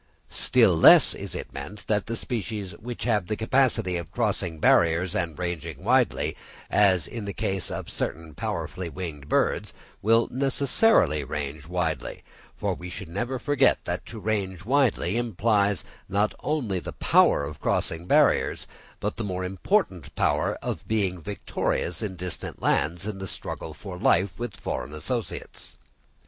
Still less is it meant, that species which have the capacity of crossing barriers and ranging widely, as in the case of certain powerfully winged birds, will necessarily range widely; for we should never forget that to range widely implies not only the power of crossing barriers, but the more important power of being victorious in distant lands in the struggle for life with foreign associates.